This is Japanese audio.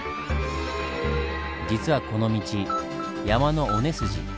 実はこの道山の尾根筋。